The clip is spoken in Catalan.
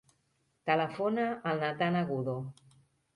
Telefona al Nathan Agudo.